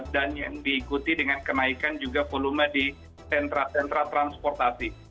dan yang diikuti dengan kenaikan juga volume di sentra sentra transportasi